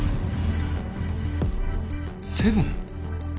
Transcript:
セブン？